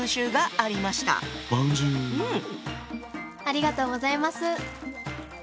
ありがとうございます。